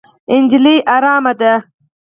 نجلۍ ارامه ده.